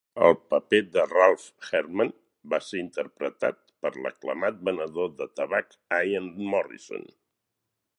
El paper de Ralph Herdman va ser interpretat per l'aclamat venedor de tabac Ian Morrison.